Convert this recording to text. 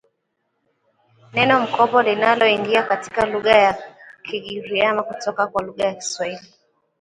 neno mkopo linaloingia katika lugha ya Kigiriama kutoka kwa lugha ya Kiswahili